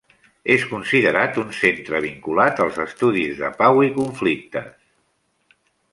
És considerat un centre vinculat als estudis de pau i conflictes.